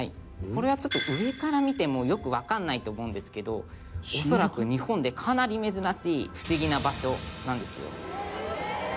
これはちょっと上から見てもよくわからないと思うんですけど恐らく日本でかなり珍しい不思議な場所なんですよ」